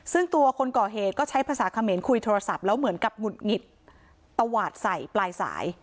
ซึ่งตัวคนก่อเหตุก็ใช้ภาษาเขมรคุยโทรศัพท์แล้วเหมือนกับหงุดหงิดตวาดใส่ปลายสาย